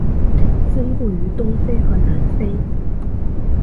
分布于东非和南非。